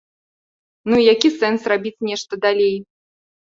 Ну, і які сэнс рабіць нешта далей?